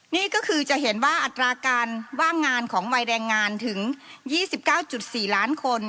นี่ก็คือจะเห็นว่าอัตราการว่างงานของวัยแรงงานถึง๒๙๔ล้านคน